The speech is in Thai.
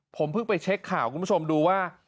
ผมเพิ่งไปเช็คข่าวคุณผู้ชมดูว่า